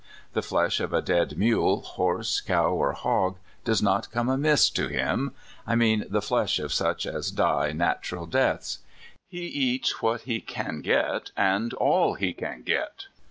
The flesh of a dead mule, horse, cow, or hog does not come amiss to him — I mean the flesh of such as die nat ural deaths. He eats what he can get, and all he can get.